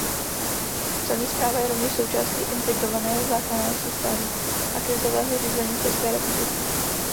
Celní správa je rovněž součástí Integrovaného záchranného systému a krizového řízení České republiky.